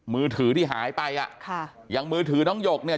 มือถือที่หายไปอ่ะค่ะอย่างมือถือน้องหยกเนี่ย